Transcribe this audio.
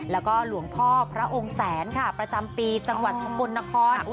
แล้วก็หลวงพ่อพระองค์แสนค่ะประจำปีจังหวัดสกลนคร